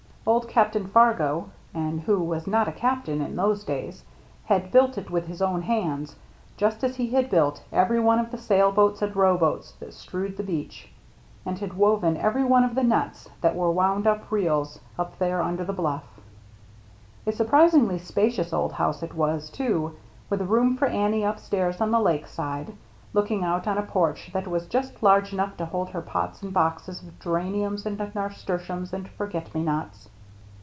Old Captain Fargo (and who was not a " Captain " in those days !) had built it with his own hands, just as he had built every one of the sailboats and rowboats that strewed the 32 THE MERRT ANNE beach, and had woven every one of the nets that were wound on reels up there under the blufF. A surprisingly spacious old house it was, too, with a room for Annie upstairs on the Lake side, looking out on a porch that was just large enough to hold her pots and boxes of geraniums and nasturtiums and forget me nots.